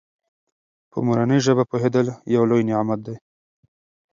په مورنۍ ژبه پوهېدل یو لوی نعمت دی.